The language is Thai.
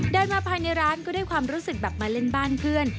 เดินมาภายในร้านก็ได้ความรู้สึกแบบมาเล่นบ้านเพื่อน